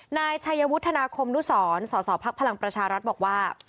นายชัยวุธนาคมรุศรสศภักดิ์พลังประชารัฐบอกว่า